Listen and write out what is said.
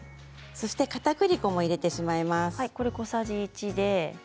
そして、かたくり粉も入れてしまいます。